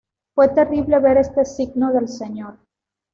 Fue terrible ver este signo del Señor.